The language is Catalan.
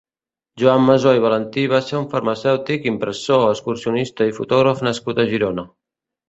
Joan Masó i Valentí va ser un farmacèutic, impressor, excursionista i fotògraf nascut a Girona.